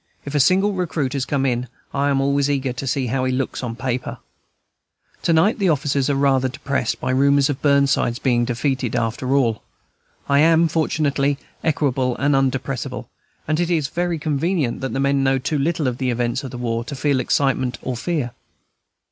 If a single recruit has come in, I am always eager to see how he looks on paper. To night the officers are rather depressed by rumors of Burnside's being defeated, after all. I am fortunately equable and undepressible; and it is very convenient that the men know too little of the events of the war to feel excitement or fear.